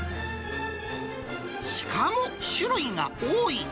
しかも、種類が多い。